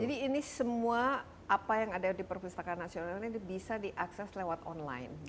jadi ini semua apa yang ada di perpustakaan nasional ini bisa diakses lewat online